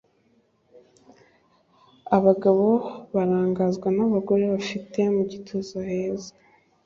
Abagabo barangazwa n’abagore bafite mu gatuza heza